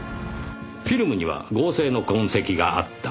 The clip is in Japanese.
フィルムには合成の痕跡があった。